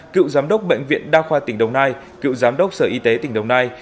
cựu giám đốc bệnh viện đa khoa tỉnh đồng nai cựu giám đốc sở y tế tỉnh đồng nai